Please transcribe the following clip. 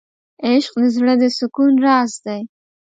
عشق د زړه د سکون راز دی.